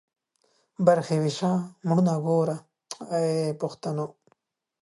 برخي ويشه ، مړونه گوره.